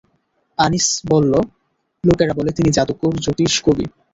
আনীস বলল, লোকেরা বলে, তিনি যাদুকর, জ্যোতিষ, কবি।